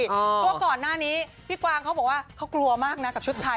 เพราะว่าก่อนหน้านี้พี่กวางเขาบอกว่าเขากลัวมากนะกับชุดไทย